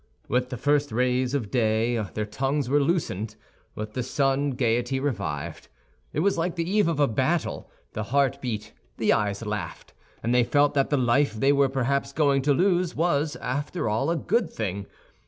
With the first rays of day their tongues were loosened; with the sun gaiety revived. It was like the eve of a battle; the heart beat, the eyes laughed, and they felt that the life they were perhaps going to lose, was, after all, a good thing.